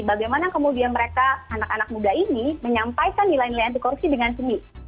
bagaimana kemudian mereka anak anak muda ini menyampaikan nilai nilai anti korupsi dengan seni